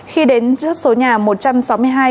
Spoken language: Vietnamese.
khi đến trước số nhà một trăm sáu mươi hai